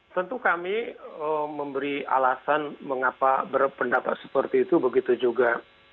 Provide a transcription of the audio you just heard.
tentu kami memberi alasan mengapa berpendapat seperti itu begitu juga